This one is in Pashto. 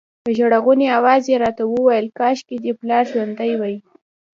په ژړغوني اواز یې راته ویل کاشکې دې پلار ژوندی وای.